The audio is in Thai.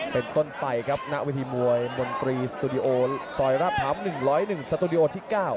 เป็นต้นไปครับณวิธีมวยมนตรีสตูดิโอซอยราบถาม๑๐๑สตูดิโอที่๙